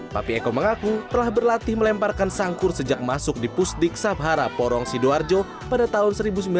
papi eko mengaku telah berlatih melemparkan sangkur sejak masuk di pusdik sabhara porong sidoarjo pada tahun seribu sembilan ratus sembilan puluh